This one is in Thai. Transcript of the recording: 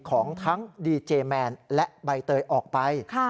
ของทั้งดีเจแมนและใบเตยออกไป